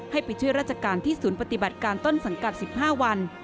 ไปช่วยราชการที่ศูนย์ปฏิบัติการต้นสังกัด๑๕วัน